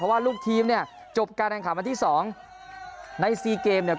เพราะว่าลูกทีมเนี่ยจบการแรงความวัยที่สองในซีเกมเนี่ย